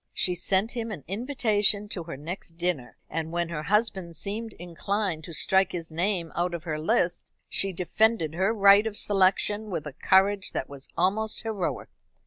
She sent him an invitation to her next dinner, and when her husband seemed inclined to strike his name out of her list, she defended her right of selection with a courage that was almost heroic.